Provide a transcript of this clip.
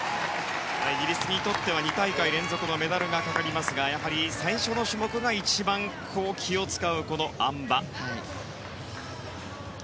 イギリスにとっては２大会連続のメダルがかかりますがやはり最初の種目が一番気を使う、あん馬。